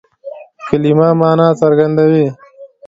کلیمه مانا څرګندوي.